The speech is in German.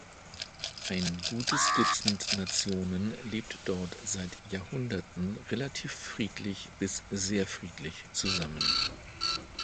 Ein gutes Dutzend Nationen lebt dort seit Jahrhunderten relativ friedlich bis sehr friedlich zusammen.